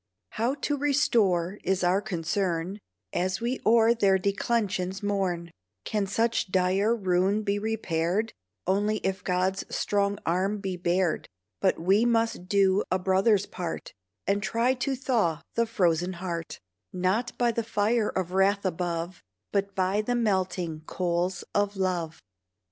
How to restore is our concern, As we o'er their declensions mourn. Can such dire ruin be repaired? Only if God's strong arm be bared. But we must do a brother's part, And try to thaw the frozen heart; Not by the fire of wrath above, But by the melting coals of love.